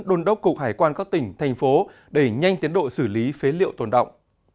đôn đốc cục hải quan các tỉnh thành phố đẩy nhanh tiến độ xử lý phế liệu tồn động